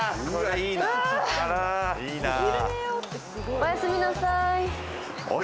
おやすみなさい。